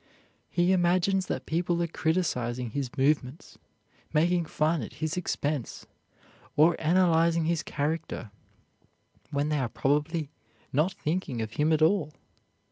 He imagines that people are criticizing his movements, making fun at his expense, or analyzing his character, when they are probably not thinking of him at all.